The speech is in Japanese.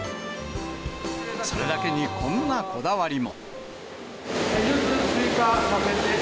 それだけに、こんなこだわりも。